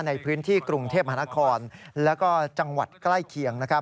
ในพื้นที่กรุงเทพมหานครแล้วก็จังหวัดใกล้เคียง